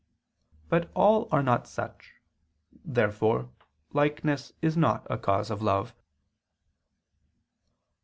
But all are not such. Therefore likeness is not a cause of love.